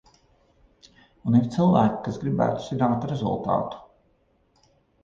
Un ir cilvēki, kas gribētu zināt rezultātu.